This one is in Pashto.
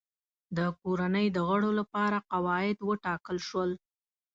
د کورنۍ د غړو لپاره قواعد وټاکل شول.